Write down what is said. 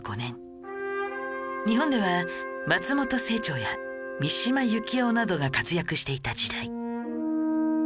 日本では松本清張や三島由紀夫などが活躍していた時代